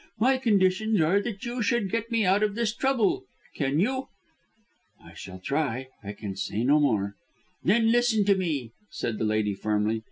My conditions are that you should get me out of this trouble. Can you?" "I shall try; I can say no more." "Then listen to me," said the lady firmly.